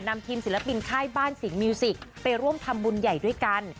ทีมศิลปินค่ายบ้านสิงหมิวสิกไปร่วมทำบุญใหญ่ด้วยกัน